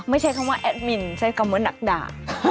ไม่ใช่คำว่าแอดมินใช้คำว่านักด่า